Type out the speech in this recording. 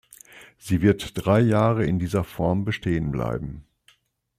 Sie wird drei Jahre in dieser Form bestehen bleiben.